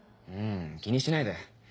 ううん気にしないで。